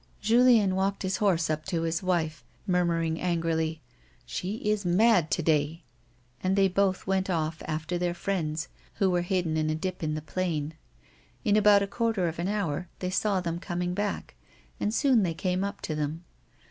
Julien walked his horse up to his wife, murmuring angrily : "She is mad to day." And they both went off after their A WOMAN'S LIFE. 143 friends who were hidden in a dip in the plain. In about a quarter of an hour they saw them coining back, and soon they came up to them.